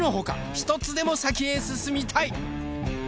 １つでも先へ進みたい。